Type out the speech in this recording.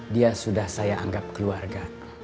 dia sudah saya anggap keluarga